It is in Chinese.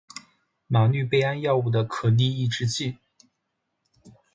吗氯贝胺药物的可逆抑制剂。